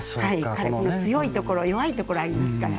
火力の強いところ弱いところありますからね。